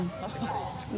separuh di luar